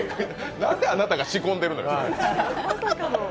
なんであなたが仕込んでるのよ。